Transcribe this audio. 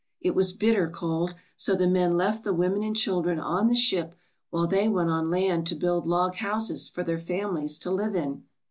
"It was bitter cold, so the men left the women and children on the ship while they went on land to build log houses for their families to live in.